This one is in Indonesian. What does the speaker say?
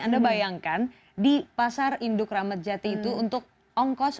anda bayangkan di pasar induk ramadjati itu untuk ongkos